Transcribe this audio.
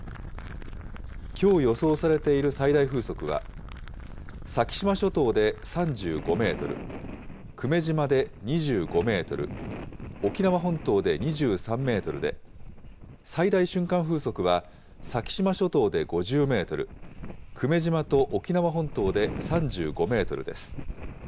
きょう予想されている最大風速は、先島諸島で３５メートル、久米島で２５メートル、沖縄本島で２３メートルで、最大瞬間風速は先島諸島で５０メートル、久米島と沖縄本島で３５メートルです。